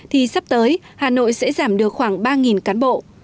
thì sắp tới hà nội sẽ giảm được khoảng ba cán bộ